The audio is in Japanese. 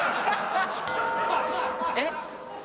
えっ？